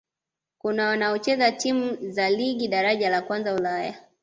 Kuna wanaocheza timu za Ligi Daraja la Kwanza Ulaya